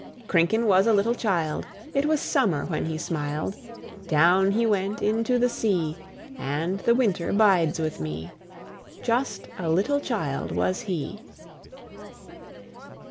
Krinken was a little child, It was summer when he smiled; Down he went into the sea, And the winter bides with me, Just a little child was he.